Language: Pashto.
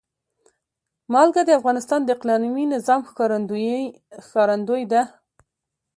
نمک د افغانستان د اقلیمي نظام ښکارندوی ده.